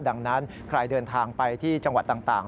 ดังนั้นใครเดินทางไปที่จังหวัดต่าง